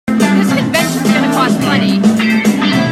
This convention's gonna cost plenty.